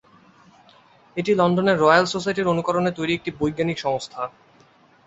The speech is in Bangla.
এটি লন্ডনের রয়্যাল সোসাইটির অনুকরণে তৈরি একটি বৈজ্ঞানিক সংস্থা।